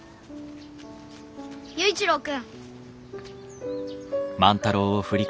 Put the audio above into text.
佑一郎君。